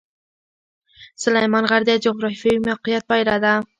سلیمان غر د جغرافیایي موقیعت پایله ده.